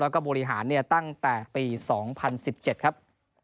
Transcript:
แล้วก็บริหารตั้งแต่ปี๒๐๑๗ครับ